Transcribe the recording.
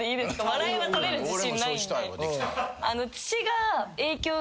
笑いは取れる自信ないんで。